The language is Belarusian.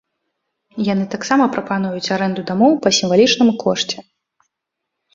Яны таксама прапануюць арэнду дамоў па сімвалічным кошце.